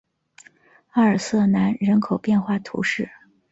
阿尔瑟南人口变化图示